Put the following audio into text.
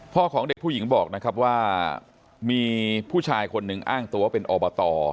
ของเด็กผู้หญิงบอกนะครับว่ามีผู้ชายคนหนึ่งอ้างตัวเป็นอบต